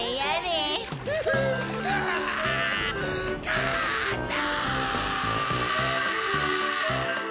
母ちゃん！